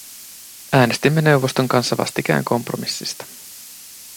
Äänestimme neuvoston kanssa vastikään kompromissista.